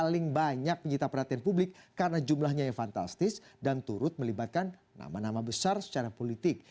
paling banyak menyita perhatian publik karena jumlahnya yang fantastis dan turut melibatkan nama nama besar secara politik